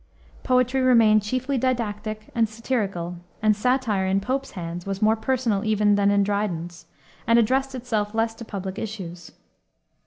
Poetry remained chiefly didactic and satirical, and satire in Pope's hands was more personal even than in Dryden's, and addressed itself less to public issues.